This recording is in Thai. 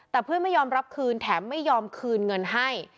แต่เพื่อนไม่ยอมรับคืนแถมไม่ยอมคืนเงินให้